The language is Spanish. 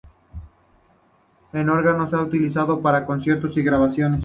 El órgano se ha utilizado para conciertos y grabaciones.